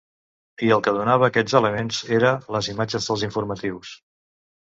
I el que donava aquests elements era les imatges dels informatius.